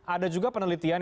ada juga penelitian